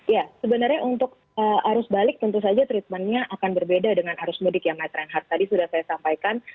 ya sebenarnya untuk arus balik tentu saja treatmentnya akan berbeda dengan arus mudik ya mas reinhard tadi sudah saya sampaikan